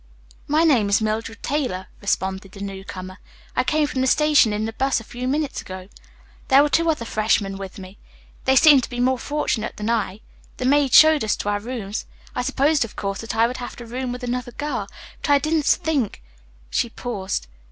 "My name is Mildred Taylor," responded the newcomer. "I came from the station in the bus a few minutes ago. There were two other freshmen with me. They seem to be more fortunate than I. The maid showed us to our rooms. I supposed, of course, that I would have to room with another girl, but I didn't think " she paused.